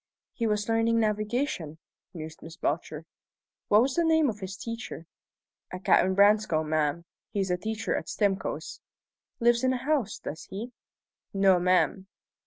"He was learning navigation," mused Miss Belcher. "What was the name of his teacher?" "A Captain Branscome, ma'am. He's a teacher at Stimcoe's." "Lives in the house, does he?" "No, ma'am."